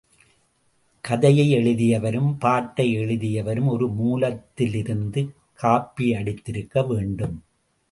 கதையை எழுதியவரும், பாட்டை எழுதியவரும் ஒரு மூலத்திலிருந்து காப்பியடித்திருக்க வேண்டும்.